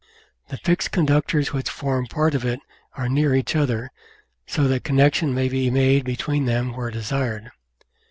The fixed conductors which form part of it are near each other, so that connection may be made between them where desired.